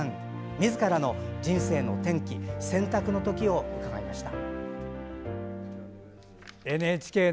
みずからの人生の転機選択の時を伺いました。